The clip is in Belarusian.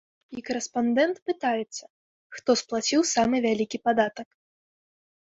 І карэспандэнт пытаецца, хто сплаціў самы вялікі падатак.